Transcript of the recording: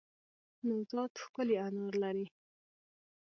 نوزاد ښکلی انار لری